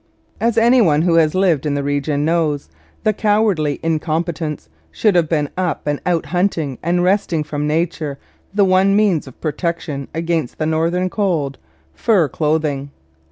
As anyone who has lived in the region knows, the cowardly incompetents should have been up and out hunting and wresting from nature the one means of protection against northern cold fur clothing.